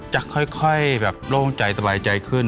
จะค่อยแบบโล่งใจสบายใจขึ้น